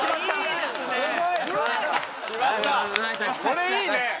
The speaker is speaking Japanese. それいいね！